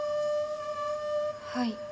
はい。